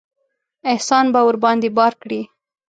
احسان به ورباندې بار کړي.